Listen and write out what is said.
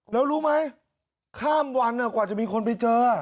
แล้วรู้มั้ยข้ามวันนั้นกว่าจะมีคนไปเจอ